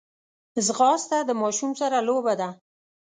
ځغاسته د ماشوم سره لوبه ده